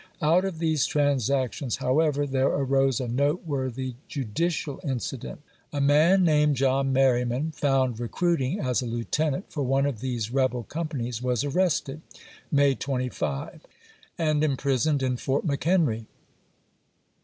Out of these transactions, however, there arose a noteworthy judicial incident. A man named John Merryman, found recruiting as a lieutenant for one of these rebel companies, was arrested 1861. (May 25) and imprisoned in Fort McHenry.